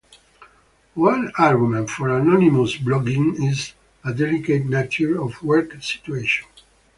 One argument for anonymous blogging is a delicate nature of work situation.